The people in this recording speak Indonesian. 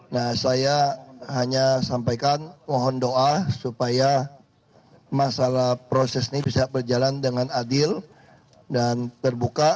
nah saya hanya sampaikan mohon doa supaya masalah proses ini bisa berjalan dengan adil dan terbuka